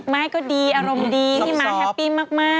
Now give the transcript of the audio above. ไม้ก็ดีอารมณ์ดีพี่ม้าแฮปปี้มาก